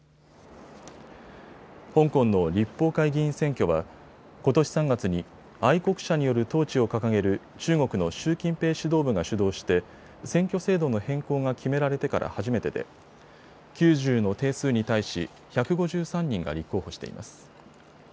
香港の立法会議員選挙はことし３月に愛国者による統治を掲げる中国の習近平指導部が主導して選挙制度の変更が決められてから初めてで９０の定数に対し１５３人が立候補しています。